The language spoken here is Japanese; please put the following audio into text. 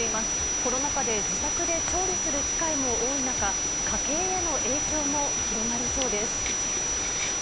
コロナ禍で自宅で料理する機会も多い中、家計への影響も広がりそうです。